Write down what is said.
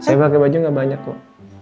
saya pakai baju gak banyak kok